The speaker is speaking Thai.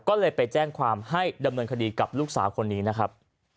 ก็เลยไปแจ้งความให้ดำเนินคดีกับลูกสาวคนนี้นะครับ